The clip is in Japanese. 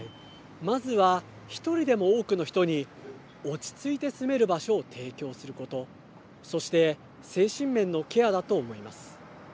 まずは１人でも多くの人に落ち着いて住める場所を提供することそして精神面のケアだと思います。